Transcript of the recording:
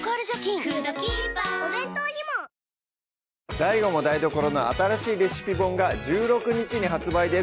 ＤＡＩＧＯも台所の新しいレシピ本が１６日に発売です